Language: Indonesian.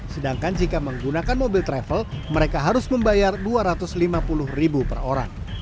sedangkan jika menggunakan mobil travel mereka harus membayar dua ratus lima puluh ribu per orang